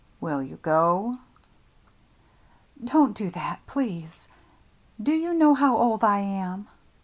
" Will you go ?"" Don't do that, please. Do you know how old I am